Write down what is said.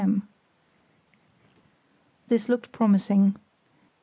m. This looked promising.